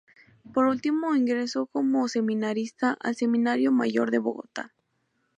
Por último ingresó como seminarista al Seminario Mayor de Bogotá.